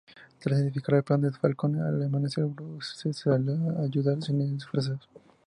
Tras identificar el plan de Falcone al amanecer, Bruce sale a ayudar sin disfraz.